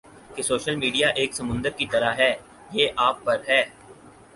کہ social media ایک سمندر کی طرح ہے یہ آپ پر ہے